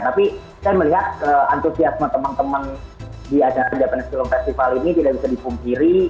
tapi saya melihat antusiasme teman teman di acara jff ini tidak bisa dipungkiri